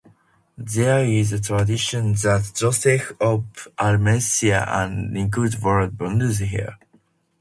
There is a tradition that Joseph of Arimathea and Nicodemus were buried here.